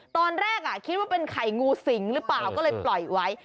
ตอนแรกคิดว่าเป็นไข่งูสิงหรือเปล่าก็เลยปล่อยไว้